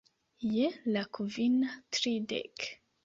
Je la kvina tridek.